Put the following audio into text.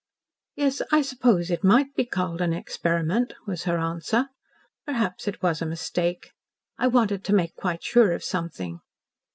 "Yes. I suppose it might be called an experiment," was her answer. "Perhaps it was a mistake. I wanted to make quite sure of something."